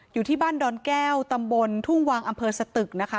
อยู่ที่บ้านดอนแก้วตำบลทุ่งวางอำเภอสตึกนะคะ